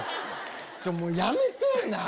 もうやめてぇな！